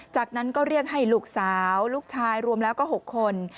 จากนั้นก็เรียกให้ลูกสาวลูกชายรวมแล้วก็๖คน